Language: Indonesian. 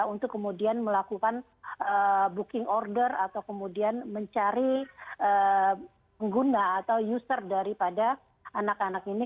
untuk kemudian melakukan booking order atau kemudian mencari pengguna atau user daripada anak anak ini